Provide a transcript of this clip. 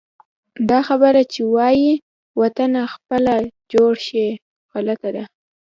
دا خبره چې وایي: وطنه خپله جوړ شي، غلطه ده.